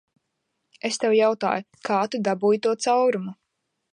Es tev jautāju, kā tu dabūji to caurumu?